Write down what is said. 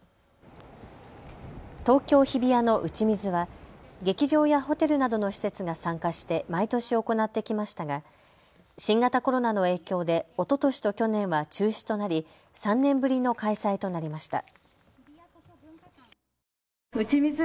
東京日比谷の打ち水は劇場やホテルなどの施設が参加して毎年、行ってきましたが新型コロナの影響でおととしと去年は中止となり３年ぶりの開催となりました。